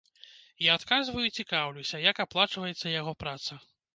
Я адказваю і цікаўлюся, як аплачваецца яго праца.